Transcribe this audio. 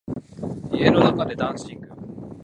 家の中でダンシング